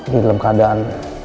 di dalam keadaan